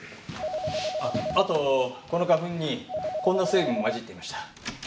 あっあとこの花粉にこんな成分も混じっていました。